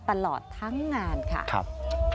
ตลอดทั้งงานค่ะครับ